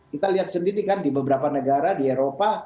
kita lihat sendiri kan di beberapa negara di eropa